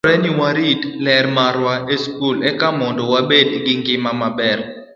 Pile dwarore ni warit ler marwa e skul eka mondo wabed gi ngima maber.